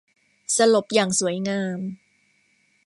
สลบอย่างสวยงาม